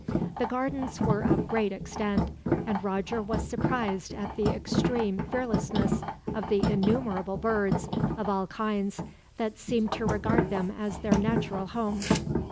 The gardens were of great extent, and Roger was surprised at the extreme fearlessness of the innumerable birds, of all kinds, that seemed to regard them as their natural home.